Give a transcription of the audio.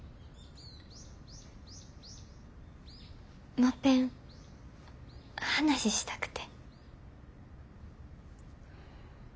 もっぺん話したくて。